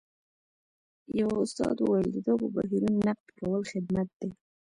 یوه استاد وویل د دغو بهیرونو نقد کول خدمت دی.